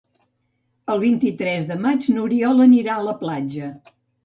El vint-i-tres de maig n'Oriol anirà a la platja.